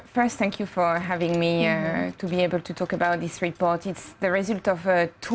pertama terima kasih telah menemukan saya untuk dapat membicarakan laporan ini